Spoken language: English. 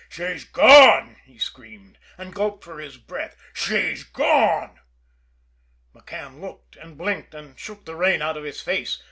"She's gone!" he screamed and gulped for his breath. "She's gone!" McCann looked, and blinked, and shook the rain out of his face.